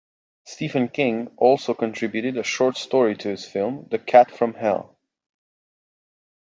Stephen King also contributed a short story to this film, "The Cat From Hell".